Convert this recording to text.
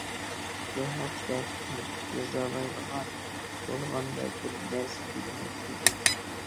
شۇ ھەقتە تەنقىد يازالايدىغان بولغاندا بىر نەرسە دېگىنى تۈزۈك.